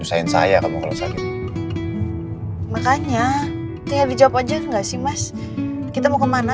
saya kamu kalau sakit makanya kayak dijawab aja enggak sih mas kita mau kemana